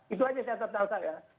itu aja catatan saya